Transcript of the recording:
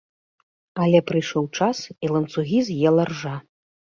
Але прыйшоў час, і ланцугі з'ела ржа.